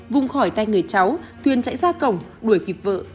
vùng khỏi tay người cháu thuyền chạy ra cổng đuổi kịp vợ